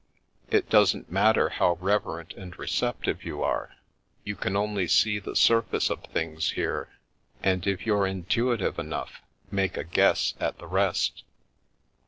It doesn't matter how reverent and receptive you are, you can only see the sur face of things here, and if you're intuitive enough, make a guess at the rest.